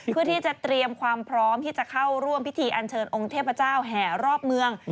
เพื่อที่จะเตรียมความพร้อมที่จะเข้าร่วมพิธีอันเชิญองค์เทพเจ้าแห่รอบเมือง